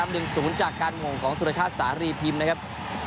รู้จักการงงของสุรชาติสารีพิมพ์นะครับ